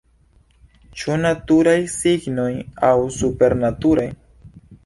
Ĉu naturaj signoj aŭ supernaturaj?